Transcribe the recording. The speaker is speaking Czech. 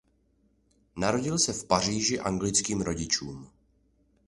Narodil se v Paříži anglickým rodičům.